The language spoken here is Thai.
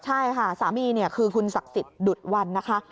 ใช่ค่ะสามีเนี่ยคือคุณศักดิ์สิทธิ์ดุดวันนะคะ